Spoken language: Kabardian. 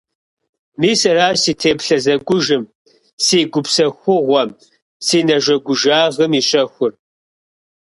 Мис аращ сэ си теплъэ зэкӀужым, си гупсэхугъуэм, си нэжэгужагъым и щэхур.